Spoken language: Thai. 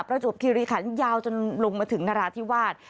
จวบคิริขันยาวจนลงมาถึงนราธิวาส